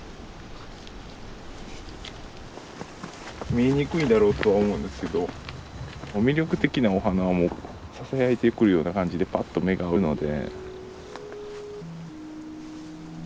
見えにくいだろうとは思うんですけど魅力的なお花もささやいてくるような感じでパッと目が合うので。